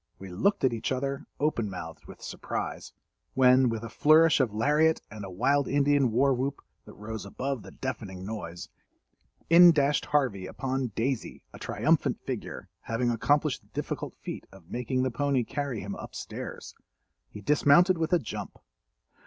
We looked at each other open mouthed with surprise, when, with a flourish of lariat and a wild Indian war whoop, that rose above the deafening noise, in dashed Harvey upon "Daisy," a triumphant figure—having accomplished the difficult feat of making the pony carry him up stairs. He dismounted with a jump.